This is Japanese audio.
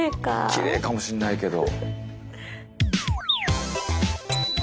きれいかもしんないけど。